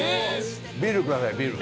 ビールくださいビール。